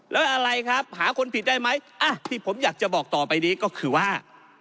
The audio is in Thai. แล้วอะไรครับหาคนผิดได้ไหมที่ผมอยากจะบอกต่อไปนี้ก็คือว่า